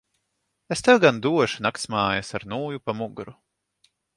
Es tev gan došu naktsmājas ar nūju pa muguru.